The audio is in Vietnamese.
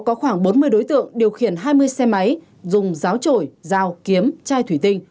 có khoảng bốn mươi đối tượng điều khiển hai mươi xe máy dùng giáo trổi dao kiếm chai thủy tinh